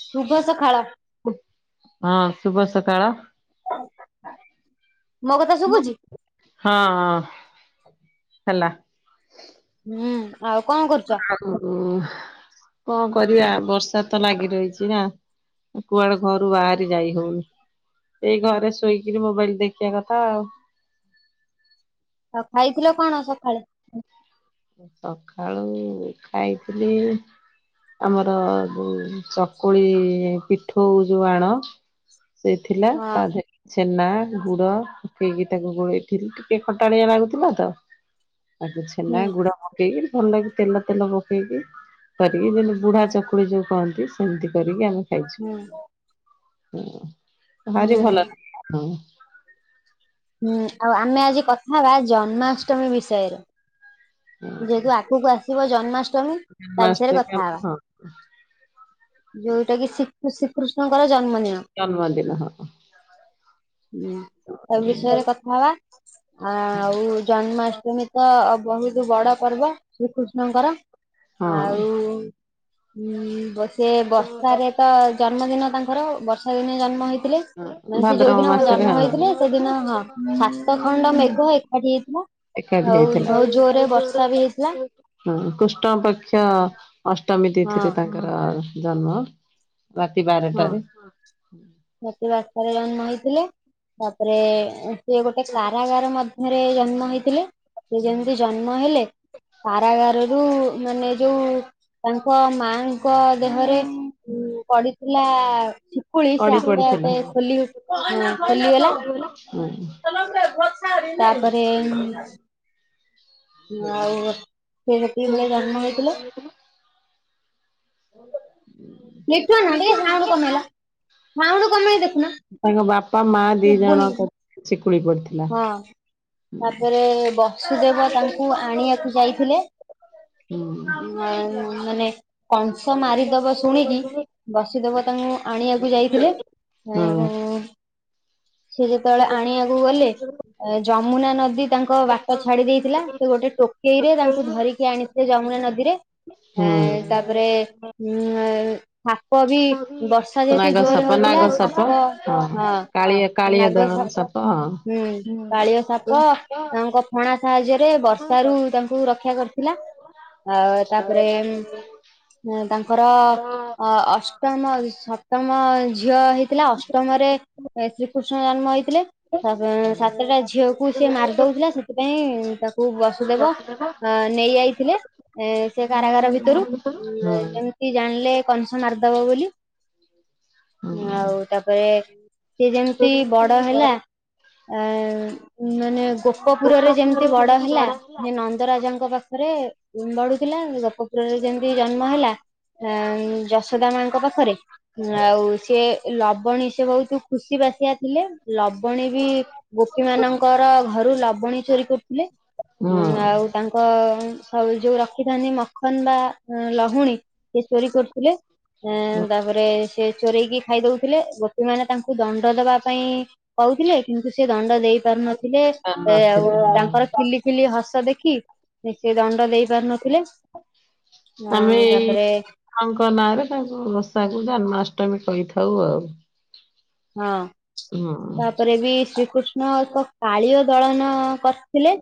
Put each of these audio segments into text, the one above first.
ଶୁବ ସଖାଳ। ହଁ ଶୁବ ସକାଳ। ମୋ କତା ଶୁବୁଚି? ହଁ ହାଲା। ହୁଁ ଆଉ କଁ କରୁଚ। ଉ କଁ କରିବି ଆ ବର୍ଷା ତ ଲାଗି ରହିଚି ଆଉ। କୁଆଡ଼େ ଘରୁ ବାଆରି ଯାଇ ହଉନି। ଏଇ ଘରେ ଶୋଇକିରି ମୋବାଇଲ୍ ଦେଖିଆ କଥା ଆଉ। ଆଉ ଖାଇଥିଲ କଣ ସଖାଳେ? ସକାଳୁ ଖାଇଥିଲି ଆମର ଯୋଉ ଚକୁଳି ପିଠଉ ଯଉ ଆଣ। ସେ ଥିଲା ହଁ ତାଧେ ଛେନା ଗୁର ପକେଇକି ତାକୁ ଗୋଳେଇଥିଲି ଟିକେ ଖଟାଳିଆ ଲାଗୁଥିଲା ତ ଆଗେ ହୁଁ ଛେନା ଗୁଡ଼ ମଗେଇକିରି ଭଲ୍ ଲାଗି ତେଲ ତେଲ ପକେଇକି। କରିକି ଯେନ୍ତି ବୁଢ଼ା ଚକୁଳି ଯୋଉ କହନ୍ତି ସେନ୍ତି କରିକି ଆମେ ହୁଁ ହେଇଚି ଉଁ ଭାରି ହୁଁ ଭଲ ଲାଗେ ଉଁ। ହୁଁ ଆଉ ଆମେ ଆଜି କଥାହବା ଜନ୍ମାଷ୍ଟମୀ ବିଷୟରେ। ଯେଏତୁ ଆଗକୁ ଆସିବ ଜନ୍ମାଷ୍ଟମୀ ତା ବିଷୟରେ କଥା ହେବା। ହଁ ଯୋଉଟା କି ଶିକୁ ଶ୍ରୀକୃଷ୍ଣଙ୍କର ଜନ୍ମ ଦିନ। ଜନ୍ମଦିନ ହଁ ଉଁ ତା ବିଷୟରେ କତ୍ ହଁ ବା ଆ ଆଉ ଜନ୍ମାଷ୍ଟମୀ ତ ବହୁତ୍ ବଡ଼ ପର୍ବ ଶ୍ରୀକୃ କୃଷ୍ଣଙ୍କର ହଁ। ଆଉ ଉଁ ସେ ବର୍ଷାରେ ତ ଜନ୍ମଦିନ ତାଙ୍କର ବର୍ଷାଦିନେ ଜନ୍ମ ହେଇଥିଲେ। ମାନେ ସେ ଯୋଉ ଭାଦ୍ରବ ଦିନ ମାସରେ ଜନ୍ମ ହଁ। ହେଇଥିଲେ ସେ ଦିନ ହଁ ଶାତ ଖଣ୍ଡ ମେଘ ଏକାଠି ହେଇଥିଲା। ଏକାଠି ଆଉ ହେଇଥିଲା ବହୁତ ଜୋରରେ ବର୍ଷା ବି ହେଇଥିଲା ହଁ କୁଷ୍ଟ ପକ୍ଷ ଅଷ୍ଟମୀ ହଁ ତିଥିରେ ତାଙ୍କର ଜନ୍ମ ରାତି ହଁ ବାରଟାରେ। ରାତି ବାରଟା ଜନ୍ମ ହେଇଥିଲେ ତାପରେ ସିଏ ଗୋଟେ କାରାଗାର ମଧ୍ ରେ ଜନ୍ମ ହେଇଥିଲେ ସେ ଯେମିନ୍ତି ଜନ୍ମ ହେଲେ କାରାଗାରରୁ ମାନେ ଯୋଉ ତାଙ୍କ ମାଁଙ୍କ ଦେହରେ ପଡ଼ି ଥିଲା ଶିକୁଳି ସେ ପଡି ଆପେ ପଡିଥିଲା। ଆପେ ଖୋଲି ଖୋଲିଗଲା। ଅ ହେଁ। [inaudible] ତାପରେ ହୁଁ ଆଉ ସେ ଯେତିକି ବେଳେ ଜନ୍ମ ହେଇଥିଲେ [inaudible] ଲିଟୁଅନା ଟିକେ ସାଉଟୁ କମେଇଲ। ତାଙ୍କ ବାପା ମା [inaudible] ଦି ଜଣଙ୍କ ଶିକୁଳି ପଡିଥିଲା। ହଁ। ତାପରେ ବସୁଦେବ ତାଙ୍କୁ ଆଣିଆକୁ ଯାଇଥିଲେ। ହୁଁ ଉଁ ଏ ମାନେ କଂସ ମାରିଦବ ବସୁଦେେବ ତାଉଁ ଆଣିଆକୁ ଯାଇଥିଲେ ଉଁ ସିଏ ଯେତେବେଳେ ଆଣିଆକୁ ଗଲେ ଏ ଯମୁନା ନଦୀ ତାଙ୍କ ବାଟ ଛାଡ଼ିଦେଇଥିଲା ସେ ଗୋଟେ ଟୋକେଇରେ ତାଙ୍କୁ ଧରିକି ଆଣି ସେ ଯମୁନା ନଦୀରେ ହୁଁ। ଏଁ ତାପରେ ଉଁ ଏ ଥାପ ବି ବର୍ଷା ଯେହେତୁ ନାଗ ଜୋର୍ ରେ ସାପ ନାଗ ହଉଥିଲା ସାପ ହଁ କାଳିଆ ହଁ କାଳିଆ ନାଗ ଦଳନ ସାପ ହଁ। ହୁଁ କାଳିଅ ସାପ ତାଙ୍କ ଫଣା ସାହାଯ୍ୟରେ ବର୍ଷା ରୁ ତାଙ୍କୁ ରକ୍ଷା କରି ଥିଲା ଆ ତାପରେ ଏ ତାଙ୍କ ଟ ଅ ଅଷ୍ଟମ ସପ୍ତମ ଝିଅ ହେଇଥିଲା ଅଷ୍ଟମରେ ଏ ତ୍ରୀକୃଷ୍ଣ ଜନ୍ମ ହେଇଥିଲେ। ତପେଁ ସାତଟା ଝିଅକୁ ସିଏ ମାର୍ ଦଉଥିଲା ସେଥିପାଇଁ ତାକୁ ବସୁଦେବ ଅ ନେଇ ଯାଇଥିଲେ ଏ ସେ କାରାଗାର ଭିତରୁମ ହଁ କି ଜାଣିଲେ କଂସ ମାରିଦବ ବୋଲି ଆଉ ହଁ ତାପରେ ସେିଏ ଯେମିତି ବଡ ହେଲା ଆ ମାନେ ଗୋପପୁରରେ ଯେମିତି ବଡ ହେଲା ଯେ ନ ରାଜାଙ୍କ ପାଖରେ ବଢୁଥିଲା ଗୋପୁରରେ ଯେମିତି ଜନ୍ମ ହେଲା ଯଶୋଦା ମାଙ୍କ ପାଖରେ ଁ ଆଉ ସେି ଲବଣୀ ସେ ବହୁତ ଖୁସି ବାସଆ ଥିଲେ ଲବଣୀ ବି ଗୋପୀ ମାନଙ୍କର ଘରୁ ଲବଣୀ ଚୋରି କରୁଥିଲେ ଉ ଆଉ ତାଙ୍କ ସ ଯୋଉ ରଖିଥାନ୍ତି ମଖନ ବା ଲହୁଣୀ ସେ ଚୋରି କରୁଥିଲେ ଆ ହଁ ତାପରେ ସେ ଚୋରଇକି ଖାଇ ଦଉଥିଲେ ଗୋପୀମାନୋନ ତାଙ୍କୁ ଦଣ୍ଡ ଦେବା ପାଇଁ କହୁଥିଲେ କିନ୍ତୁ ସେ ଦଣ୍ଡ ଦେଇ ପାରୁନଥିଲେ ଏ ଆଉ ନଥିଲେ ତାଙ୍କର ଫିଲି ଫିଲି ହସ ଦେଖି ନି ସେ ଦଣ୍ଡ ଦେଇ ପାରୁନଥିଲେ ଆମେ ଆଉ ତା ଏଇ ତାପରେ ତାଙ୍କ ନାଁ ରେ ତାଙ୍କୁ ବଷାକୁ ଜନ୍ମାଷ୍ଟମୀ କହିଥାଉ ଆଉ ହଁ ହୁଁ। ତାପରେ ବି ଶ୍ରୀକୃଷ୍ଣ ତ କାଳିଅ ଦଳନ କରି ଥିଲେ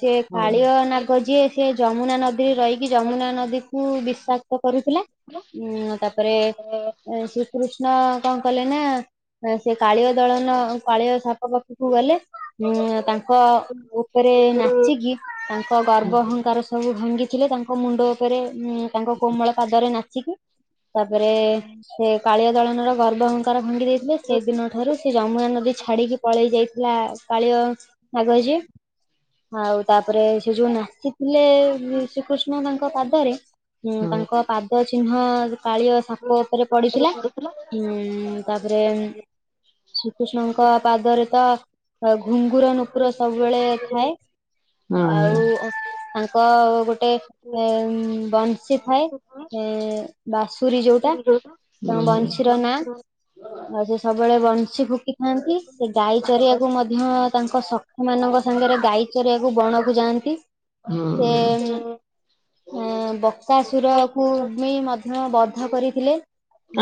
ସେି ହଁ କାଳିଅ ନାଗ ଯିଏ ସେ ଯମୁନା ନଦୀ ରେ ରହିକି ଯମୁନା ନଦୀକୁ ବିଶାସ କରୁଥିଲା ଉଁ ତାପରେ ଶ୍ରୀକୃଷ୍ଣ କଣ କଲେ ନା ସେ କାଳିଅ ଦଳନ କାଳିଆ ସାପ ପାଖକୁ ଗଲେ ଉଁ ତାଙ୍କ ଉପରେ ନାଚିକି ତାଙ୍କ ହଁ ଗର୍ବ ଅହଙ୍କାର ସବୁ ଭାଙ୍ଗିଥିଲେ ତାଙ୍କ ମୁଣ୍ଡ ଉପରେ ଉ ତାଙ୍କ କୋମଳ ପାଦରେ ନାଚିକି ତାପରେ ସେ କାଳିଆ ଦଳନର ଗର୍ବ ହଙ୍କାର ଭାଙ୍ଗି ଦେଇ ସେ ଦିନ ଠାରୁ ସେ ଯମୁନା ନଦୀ ଛାଡିକି ପଳେଇ ଯାଇଥିଲା କାଳିଅ ନା କହିଛି ଆଉ ତାପରେ ସେ ଯୋଉ ନାଚିଥିଲେ ଶ୍ରୀକୃଷ୍ଣ ତାଙ୍କ ପାଦରେ ଉଁ ତାଙ୍କ ପାଦ ଚିହ୍ନ କାଳିଆ ସାପ ଉପରେ ପଡିଥିଲା ହଁ ତାପରେ ଶ୍ରୀକୃଷ୍ଣଙ୍କ ପାଦରେ ତ ଘୁଙ୍ଗୁର ନୁପୁର ସବୁବେଳେ ଥାଏ ହଁ ଆଉ ଙ୍କ ଗୋଟେ ବଂଶୀ ଥାଏ ବାସୁରୀ ଯୋଉଟା ତମ ବଂଶୀର ନାଁ ଆଉ ସେ ସବୁବେଳେ ବଂଶୀ ଫୁକିଥାନ୍ତି ସେ ଗାଈ ଚରିବାକୁ ମଧ୍ୟ ତାଙ୍କ ସେମାନଙ୍କ ସାଙ୍ଗରେ ଗାଈ ଚରିଆକୁ ବଣକୁ ଯାଆନ୍ତି ସେ ହଁ। ହୁଁ। ଏ ବକ୍ାସୁର କ ବି ମଧ୍ୟ ବଧ କରିଥିଲେ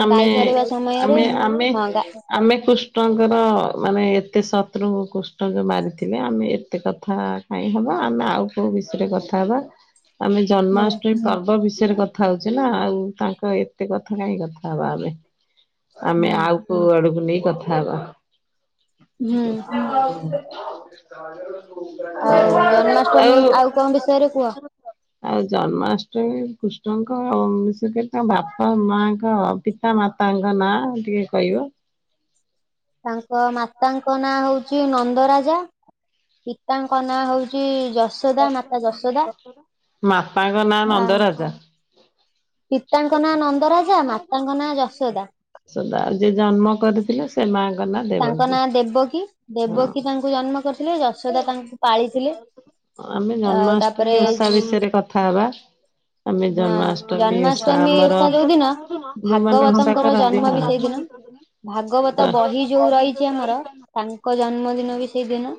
ଆମେ ଗାଈ ଚରେଇବା ସମୟରେ ଆମେ ଆମେ ହଁ ଗା ଆମେ କୃଷ୍ଣଙ୍କର ମାନେ ଏତେ ଶତ୍ରୁ କୃଷ୍ଣ ଯେୋଉଁ ମାରିଥିଲେ ଆମେ ଏତେ କଥା କାଇଁ ହବା ଆମେ ଆଉ କୋଉ ବିଷୟରେ କଥା ହବା ଆମେ ହୁଁ ଜନ୍ମାଷ୍ଟମୀ ପର୍ବ ବିଷୟରେ କଥା ହଉଚେ ନା ଆଉ ତାଙ୍କ ଏତେ କଥା କାହିଁ କଥା ହବା ଆମେ ହୁଁ ଆଉ କଉ ଆଡକୁ ନେଇ କଥା ହବା ହୁଁ। ଆଉ ଜନ୍ମାଷ୍ଟମୀ ଆଉ କଣ ବିଷୟରେ କୁହ ଆଉ ଜନ୍ମାଷ୍ଟମୀ କୃଷ୍ଣଙ୍କ ଆଷ ତାଙ୍କ ବାପା ମାଙ୍କ ପିତା ମାତାଙ୍କ ନାଁ ଟିକେ କହିବ ତାଙ୍କ ମାତାଙ୍କ ନାଁ ହଉଛି ନନ୍ଦରାଜା ପିତାଙ୍କ ନାଁ ହଉଛି ଯଶ ଯଶୋଦା ମାତା ଯଶୋଦା ମାପାଙ୍କ ନାଁ ହ ନନ୍ଦରାଜା। ପିତାଙ୍କ ନାଁ ନନ୍ଦରାଜା ମାତାଙ୍କ ନାଁ ଯଶୋଦା ସଦା ଯି ଜନ୍ମ କରିଥିଲେ ସେ ମା ଗଲା ତାଙ୍କ ନାଁ ଦେବକୀ ଦେବକୀ ତାଙ୍କୁ ଜନ୍ମ କରିଥିଲେ ଯଶୋଦା ତାଙ୍କୁ ପାଳିଥିଲେ ଆମେ ଆଉ ତାପରେ ଜନ୍ମାଷ୍ଟମୀ ଓଷା ବିଷୟରେ କଥା ହବା। ଆମେ ହଁ ଜନ୍ମାଷ୍ଟମୀ ଓଷା ଜନ୍ମାଷ୍ଟମୀ ଆମର ଓଷା ଯୋଉ ଦିନ ଯୋଉମାନେ ଓଷା ଭାଗବତଙ୍କର କରନ୍ତି ଜନ୍ମ ବି ହଁ। ସେଇଦିନ ଭାଗବତ ବହି ଯୋଉ ରହିଛି ଆମର ତାଙ୍କ ଜନ୍ମଦିନ ବି ସେଇଦିନ।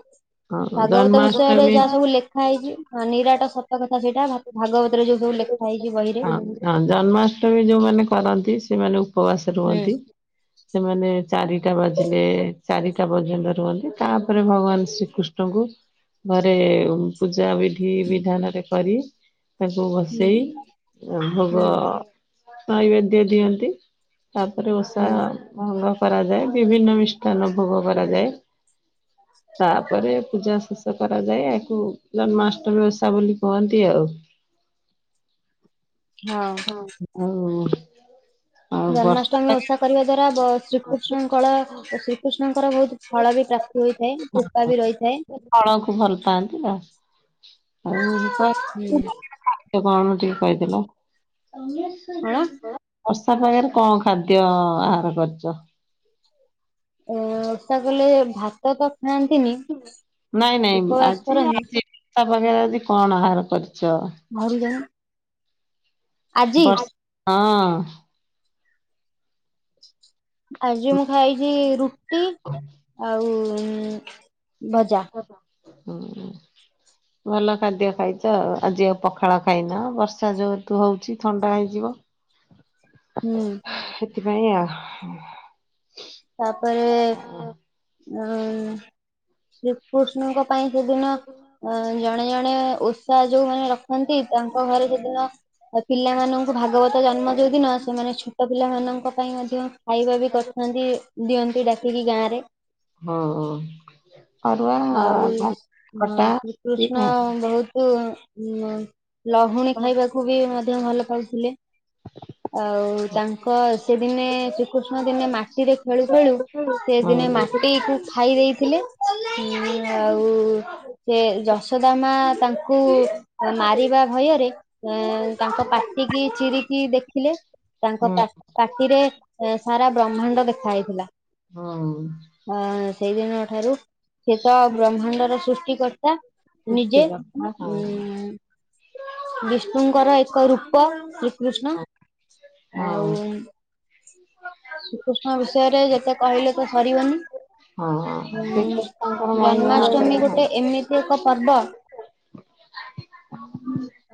ଭାଗବତ ବିଷୟରେ ଜନ୍ମାଷ୍ଟମୀ ଯାହା ସବୁ ଲେଖା ହେଇଛି। ହଁ ନିରାଟ ସତ କଥା ସେଇଟା ଭା ଭାଗବତରେ ଯୋଉସବୁ ଲେଖା ହେଇଛି ବହିରେ। ହଁ ହଁ ଜନ୍ମାଷ୍ଟମୀ ଯୋଉମାନେ କରନ୍ତି ସେମାନେ ଉପବାସ ହୁଁ ରୁହନ୍ତି। ସେମାନେ ଚାରିଟା ବାଜିଲେ ଚାରିଟା ପର୍ଯ୍ୟନ୍ତ ରୁହନ୍ତି ତାପରେ ଭଗବାନ ଶ୍ରୀକୃଷ୍ଣ [unintelligible] ଙ୍କୁ ଘରେ ପୂଜା ବିଧି ବିଧାନରେ କରି। କୁ ହୁଁ ବସେଇ ଭୋଗ ହୁଁ ନୈବେଦ୍ୟ ଦିଅନ୍ତି। ତାପରେ ଓଷା ହୁଁ ଭଙ୍ଗ କରାଯାଏ ବିଭିନ୍ନ ମିଷ୍ଟାନ ଭୋଗ କରାଯାଏ। ତାପରେ ପୂଜା ଶେଷ କରାଯାଏ ୟାକୁ ଜନ୍ମାଷ୍ଟମୀ ଓଷା ବୋଲି କୁହନ୍ତି ଆଉ। ହଁ। ହଉ ଆଉ ଆଉ ବର୍ଷା ଜନ୍ମାଷ୍ଟମୀ ଓଷା କରିବା ଦ୍ଵାରା ବ ଶ୍ରୀକୃଷ୍ଣଙ୍କଳ ଶ୍ରୀକୃଷ୍ଣଙ୍କର ବହୁତ ଫଳ ବି ପ୍ରା ହୋଇଥାଏ କୃପା ବି ରହିଥାଏ। ଫଳକୁ ଭଲ ପାଆନ୍ତି ଆଉ ଆଉ ହୁଁ ସେ କଣ ଟିକେ କହିଦେଲ। କଣ ବର୍ଷା ପାାଗରେ କଣ ଖାଦ୍ୟ ଆହାର କରିଚ? ଅଁ ଓଷା କଲେ ଭା [unintelligible] ନାଇଁ ନାଇଁ ଉପବାସ ଆଜି କରନ୍ତି ଆଜି। ତା ପାଖରେ ଆଜି କଣ ଆହାର କରିଚ? ଘରକୁ ଯାଉନୁ। ବର୍ଷ ହଁ। ଆଜି ମୁଁ ଖାଇଛି ରୁଟି ଆଉ ଭଜା। [unintelligible] ହୁଁ। ଭଲ ଖାଦ୍ୟ ଖାଇଚ ଆଉ ଆଜି ଆଉ ପଖାଳ ଖାଇନ ବର୍ଷା ଯହେତୁ ହଉଛି ଥଣ୍ଡା ହେଇଯିବ। ହୁଁ। ସେଥିପାଇଁ ଆ। ତାପରେ ଉଁ ଶ୍ରୀକୃଷ୍ଣଙ୍କ ପାଇଁ ସେଦିନ ଅ ଜଣେ ଜଣେ ଉ ସା ଯୋଉମାନେ ରଖନ୍ତି ତାଙ୍କ ଘରେ ସେ ଦିନ ପିଲାମାନଙ୍କୁ ଭାଗବତ ଜନ୍ମ ଯୋଉଦିନ ସେମାନେ ଛୋଟ ପିଲାମାନଙ୍କ ପାଇଁ ମଧ୍ୟ ଖାଇବା ବି କରିଥାନ୍ତି ଦିଅନ୍ତି ଡାକିକି ଗାଁ ରେ। ହଁ ହଁ। ଅରୁଆ ଆଉ ଭା ସଉଁ ଖଟା ରୁଟି ଶ୍ରୀକୃଷ୍ଣ ବହୁତୁ ହୁଁ ଲହୁଣୀ ଖାଇବାକୁ ବି ମଧ୍ୟ ଭଲ ପାଉଥିଲେ। ଆଉ ତାଙ୍କ ସେଦିନେ ଶ୍ରୀକୃଷ୍ଣ ଦିନେ ମାଟିରେ ଖେଳୁ ଖେଳୁ ସେ ଆଉ ଦିନେ ହୁଁ। ମାଟିକୁ ଖାଇ ଦେଇଥିଲେ ଉଁ ଆଉ ସେ ଯଶୋଦା ମାଆ ତାଙ୍କୁ ମାରିବା ଭୟରେ ଅଁ ତାଙ୍କ ପାଟି କିି ଚିରିକି ଦେଖିଲେ ତାଙ୍କ ହୁଁ ପା ପାଟିରେ ସାରା ବ୍ରହ୍ମାଣ୍ଡ ଦେଖା ହେଇଥିଲା। ହଁ। ଆଁ ସେଇଦିନ ଠାରୁ ସେ ତ ବ୍ରହ୍ମାଣ୍ଡର ସୃଷ୍ଟିିକର୍ତ୍ତା ନିଜେ, ପୁଷ୍ଟିକର ହଁ। ଉଁ ବିଷ୍ଣୁଙ୍କର ଏକ ରୂପ। କୃଷ୍ଣ ହଁ ଆଉ ଶ୍ରୀକୃଷ୍ଣ ବିଷୟରେ ଯେ ଯେତେ କହିଲେ ତ ସରିବନିଁ, ହଁ ଉଁ ଶ୍ରୀକୃଷ୍ଣଙ୍କର ମହିମା ଜନ୍ମାଷ୍ଟମୀ ଗୋଟେ ଏମିତି ଏକ ପର୍ବ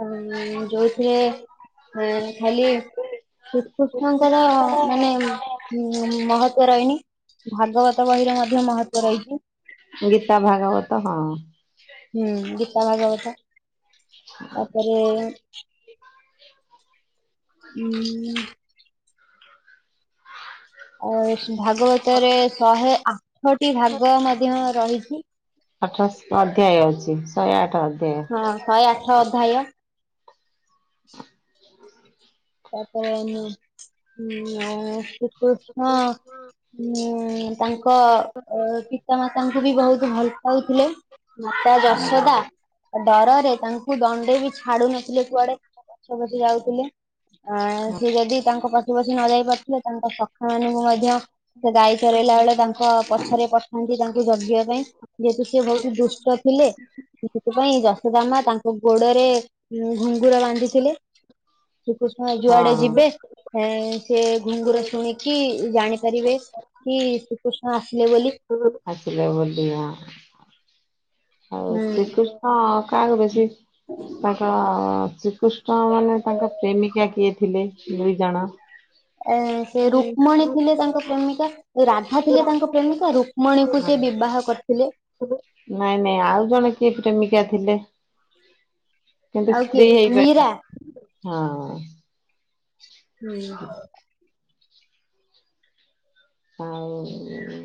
ଉଁ ଯୋଉଥିରେ ଖାଲି ଶ୍ରୀକୃଷ୍ଣଙ୍କର ମାନେ ଉ ମହତ୍ତ୍ଵ ରହିନି ଭାଗବତ ବହିର ମଧ୍ୟ ମହତ୍ଵ ରହିଛି। ଗୀତା ଭାଗବତ ହଁ। ହୁଁ ଗୀତା ଭାଗ ବତ। ତାପରେ ହଁ। ଉଁ ଅ ଭାଗବତରେ ଶହେ ଆଠଟି ଭାଗ ମଧ୍ୟ ରହିଛି। ଅଠର ଅଧ୍ୟାୟ ଅଛି ଶହେ ଆଠ ଅଧ୍ୟାୟ ହଁ ଶହେ ଆଠ ଅଧାୟ ତାପରେଁ ଉଁ ଶ୍ରୀକୃଷ୍ଣ ଉଁ ତାଙ୍କ ପିତାମାତାଙ୍କୁ ବି ବୋହୁତ୍ ଭଲ କହୁଥିଲେ ମା ଯଶୋଦା ଡରରେ ତାଙ୍କୁ ଦଣ୍ଡେ ବି ଛାଡୁ ନଥିଲେ କୁଆଡେ ଗଛପତି ଯାଉଥିଲେ ଆ ସେ ଯଦି ତାଙ୍କ ପଛ ପଛି ନ ଯାଇ ପାରୁଥିଲେ ତାଙ୍କ ସଖା ମାନଙ୍କୁ ମଧ୍ୟ ସେ ଗାଈ ଚରେଇଲା ବେଳେ ତାଙ୍କ ପଛରେ ପଠାନ୍ତି ତାଙ୍କୁ ଜଗିବା ପାଇଁ। ଯେହେତୁ ସେି ବହୁତ ଦୁଷ୍ଟ ଥିଲେ ସେଥିପାଇଁ ଯଶୋଦାମ ତାଙ୍କ ଗୋଡରେ ଘୁଙ୍ଗୁର ବାନ୍ଧିଥିଲେ। ଶ୍ରୀକୃଷ୍ଣ ଯୁଆଡେ ହଁ ଯିବେ ସେ ଘୁଙ୍ଗୁର ଶୁଣିକି କି ଜାଣିପାରିବେ କି ଶ୍ରୀକୃଷ୍ଣ ଆସିଲେ ବୋଲି। ଆସିଲେ ବୋଲି। ହଁ। ଆଉ ହୁଁ ଶ୍ରୀକୃଷ୍ଣ କାହାକୁ ବେଶୀ, ତାଙ୍କ ଶ୍ରୀକୃଷ୍ଣ ତ ମାନେ ତାଙ୍କ ପ୍ରେମିକା କିଏ ଥିଲେ ଦୁଇ ଜଣ? ଏ ସେ ରୁକ୍ମଣୀ ଥିଲେ ତାଙ୍କ ପ୍ରେମିକା। ରାଧା ଥିଲେ ତାଙ୍କ ପ୍ରେମିକା ରୁକ୍ମଣୀକୁ ହଁ ସେ ବିବାହ କରିଥିଲେ। ନାଇଁ ନାଇଁ ଆଉ ଜଣେ କିଏ ପ୍ରେମିକା ଥିଲେ? କିନ୍ତୁ ଆଉ କିଏ ସ୍ତ୍ରୀ ମୀରା ହୋଇପାରିଲାନି, ହଁ। ହୁଁ। ଆଉ